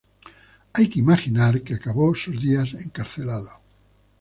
Hay que imaginar que acabó sus días encarcelado.